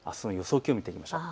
気温を見ていきましょう。